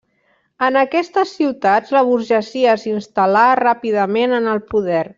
En aquestes ciutats, la burgesia s'instal·là ràpidament en el poder.